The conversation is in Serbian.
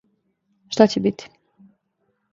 Шта ће бити?